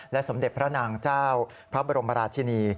สมเด็จพระนางเจ้าพระบรมราชินี